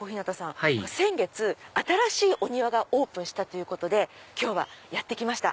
はい先月新しいお庭がオープンしたので今日はやって来ました。